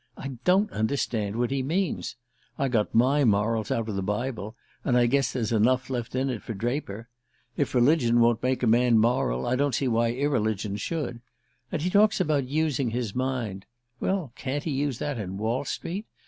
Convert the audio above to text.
I don't understand what he means. I got my morals out of the Bible, and I guess there's enough left in it for Draper. If religion won't make a man moral, I don't see why irreligion should. And he talks about using his mind well, can't he use that in Wall Street?